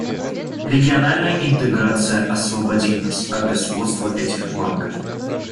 Региональная интеграция освободит нас от господства этих банков.